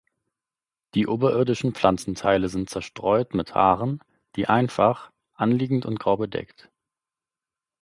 Die oberirdischen Pflanzenteile sind zerstreut mit Haaren, die einfach, anliegend und grau bedeckt.